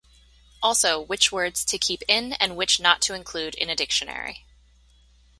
Also which words to keep in and which not to include in a dictionary.